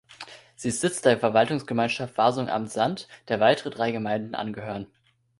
Sie ist Sitz der Verwaltungsgemeinschaft Wasungen-Amt Sand, der weitere drei Gemeinden angehören.